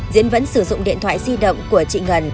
diễn vẫn sử dụng điện thoại di động của chị ngân